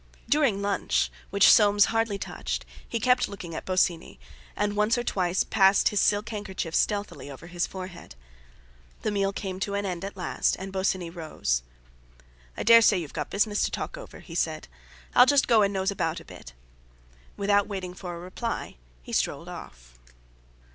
During lunch, which Soames hardly touched, he kept looking at Bosinney, and once or twice passed his silk handkerchief stealthily over his forehead. The meal came to an end at last, and Bosinney rose. "I dare say you've got business to talk over," he said; "I'll just go and nose about a bit." Without waiting for a reply he strolled out.